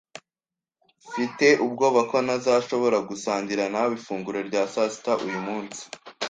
Mfite ubwoba ko ntazashobora gusangira nawe ifunguro rya sasita uyu munsi.